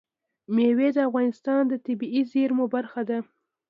مېوې د افغانستان د طبیعي زیرمو برخه ده.